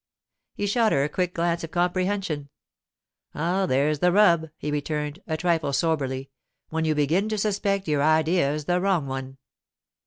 He shot her a quick glance of comprehension. 'Ah, there's the rub,' he returned, a trifle soberly—'when you begin to suspect your idea's the wrong one.